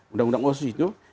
undang undang khusus itu